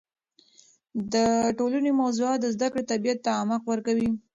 د ټولنې موضوعات د زده کړې طبیعت ته عمق ورکوي.